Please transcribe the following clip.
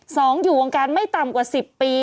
สองอยู่วงการไม่ต่ำกว่าสิบปี